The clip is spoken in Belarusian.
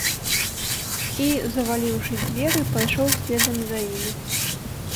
І, заваліўшы дзверы, пайшоў следам за імі.